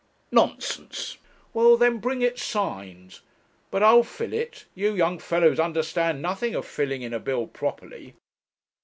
'Nonsense!' 'Well, then, bring it signed but I'll fill it; you young fellows understand nothing of filling in a bill properly.'